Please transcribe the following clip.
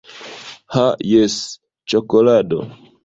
Ha jes, ĉokolado